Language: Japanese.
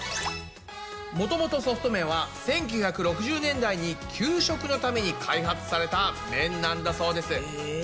もともとソフト麺は１９６０年代に給食のために開発された麺なんだそうです。